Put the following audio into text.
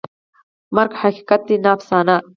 مرګ حقیقت دی، نه افسانه.